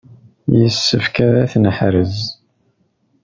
Yessefk ad t-neḥrez.